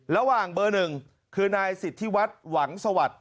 ระหว่างเบอร์๑คือนายสิทธิวัดหวังสวัสดิ์